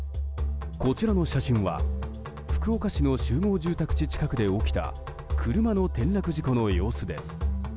こちらの写真は福岡市の集合住宅地近くで起きた車の転落事故の様子です。